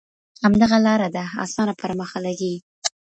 همدغه لاره ده آسانه پر ما ښه لګیږي